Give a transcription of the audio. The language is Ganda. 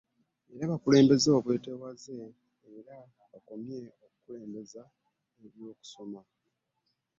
Era bakulembeze obwetowaze era bakomye okukulembeza ebyo bye basoma